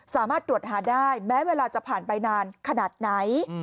สามารถตรวจหาได้แม้เวลาจะผ่านไปนานขนาดไหน